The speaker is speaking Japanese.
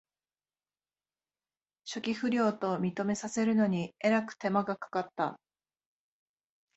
初期不良と認めさせるのにえらく手間がかかった